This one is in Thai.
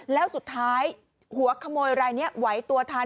แล้วสุดท้ายหัวขโมยรายนี้ไหวตัวทัน